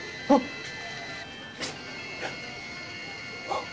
あっ！